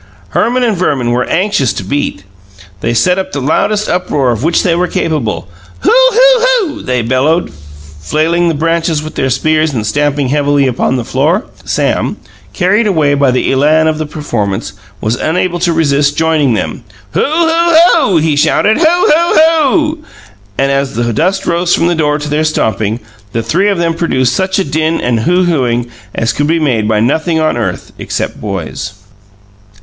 Herman and Verman were anxious to beat. They set up the loudest uproar of which they were capable. "Hoo! Hoo! Hoo!" they bellowed, flailing the branches with their spears and stamping heavily upon the floor. Sam, carried away by the elan of the performance, was unable to resist joining them. "Hoo! Hoo! Hoo!" he shouted. "Hoo! Hoo! Hoo!" And as the dust rose from the floor to their stamping, the three of them produced such a din and hoo hooing as could be made by nothing on earth except boys.